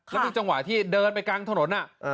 เป็นจังหวะที่เดินไปกลางถนน